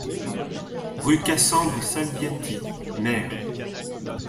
Rue Cassandre Salviati, Mer